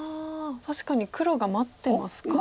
確かに黒が待ってますか。